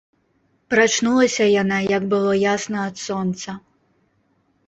Прачнулася яна, як было ясна ад сонца.